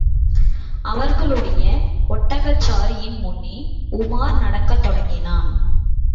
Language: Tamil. அவர்களுடைய ஒட்டகச்சாரியின் முன்னே உமார் நடக்கத் தொடங்கினான்.